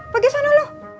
pergi sana lu